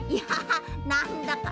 なんだか。